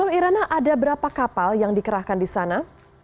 bung irana ada berapa kapal yang dikerahkan di sana